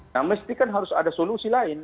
nah mesti kan harus ada solusi lain